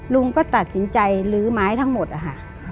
ลุงก็ตัดสินใจลื้อไม้ทั้งหมดอะค่ะ